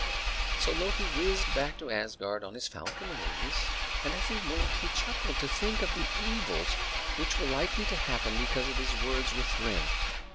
So Loki whizzed back to Asgard on his falcon wings; and as he went he chuckled to think of the evils which were likely to happen because of his words with Thrym.